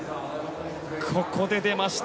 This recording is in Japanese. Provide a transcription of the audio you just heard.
ここで出ました。